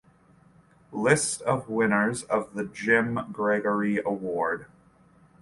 List of winners of the Jim Gregory Award.